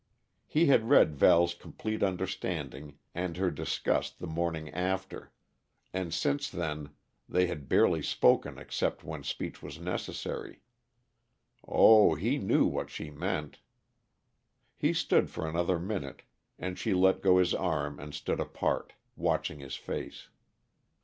He had read Val's complete understanding and her disgust the morning after and since then they had barely spoken except when speech was necessary. Oh, he knew what she meant! He stood for another minute, and she let go his arm and stood apart, watching his face.